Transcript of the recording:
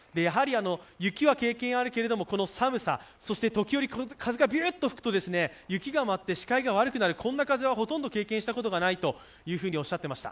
雪は経験あるけれども、この寒さ、ときおり風がびゅーっと吹くと雪が舞って視界が悪くなるこんな風はほとんど経験したことがないとおっしゃっていました。